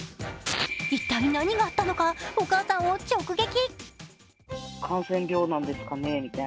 一体、何があったのかお母さんを直撃。